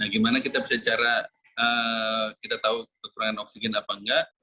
gimana kita bisa cara kita tahu kekurangan oksigen apa enggak